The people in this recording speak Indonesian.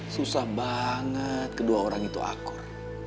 susah banget kedua orang itu akur